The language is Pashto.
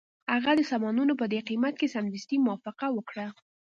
هغه د سامانونو په دې قیمت هم سمدستي موافقه وکړه